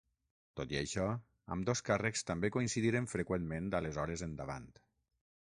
Tot i això, ambdós càrrecs també coincidiren freqüentment d'aleshores endavant.